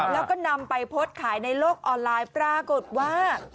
แล้วก็นำไปโพสต์ขายในโลกออนไลน์ปรากฏว่า